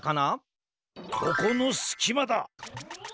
ここのすきまだ！